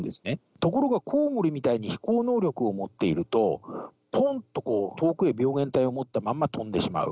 ところがコウモリみたいに飛行能力を持っていると、ぽんと遠くに病原体を持ったまま飛んでしまう。